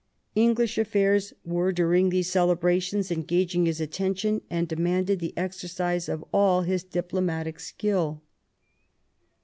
English affairs were during these celebrations engaging his attention, and demanded the exercise of all his diplo matic skill.